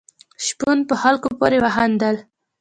شپون په خلکو پورې وخندل.